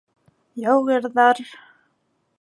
Яугирҙар!